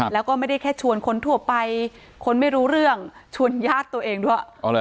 แล้วก็ไม่ได้แค่ชวนคนทั่วไปคนไม่รู้เรื่องชวนญาติตัวเองด้วย